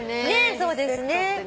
そうですね。